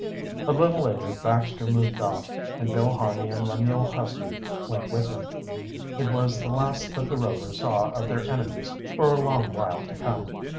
A little later Baxter moved off, and Bill Harney and Lemuel Husty went with him. It was the last that the Rovers saw of their enemies for a long while to come.